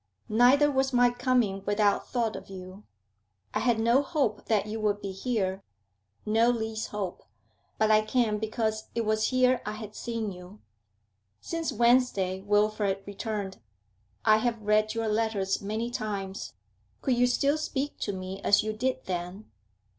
'Neither was my coming without thought of you. I had no hope that you would be here, no least hope, but I came because it was here I had seen you.' 'Since Wednesday,' Wilfrid returned, 'I have read your letters many times. Could you still speak to me as you did then?'